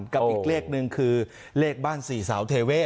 กับอีกเลขหนึ่งคือเลขบ้านสี่สาวเทเว่